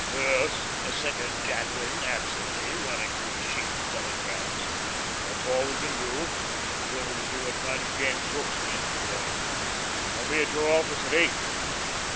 "Yes," assented Jadwin, absently, running through a sheaf of telegrams, "that's all we can do until we see what kind of a game Crookes means to play. I'll be at your office by eight."